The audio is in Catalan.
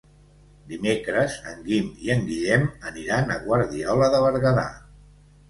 Dimecres en Guim i en Guillem aniran a Guardiola de Berguedà.